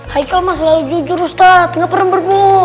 haikal masih selalu jujur ustadz gak pernah berpukul